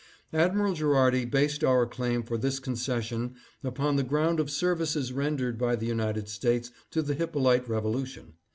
" Admiral Gherardi based our claim for this concession upon the ground of services rendered by the United States to the Hyppolite revolution.